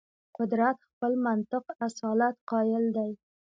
قدرت خپل منطق اصالت قایل دی.